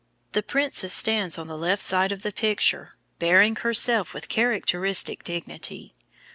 The princess stands on the left side of the picture, bearing herself with characteristic dignity.